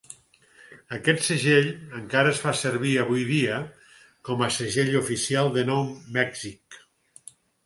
Aquest segell encara es fa servir avui dia com a segell oficial de Nou Mèxic.